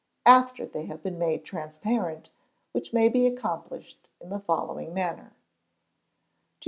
after they have been made transparent which may be accomplished in the following manner: 2556.